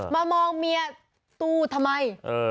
มามองเมียสู้ทำไม